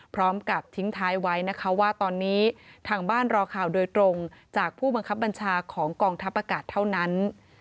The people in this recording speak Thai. พร้อมกับทิ้งท้ายไว้นะคะว่าตอนนี้ทางบ้านรอข่าวโดยตรงจากผู้บังคับบัญชาของกองทัพอากาศเท่านั้น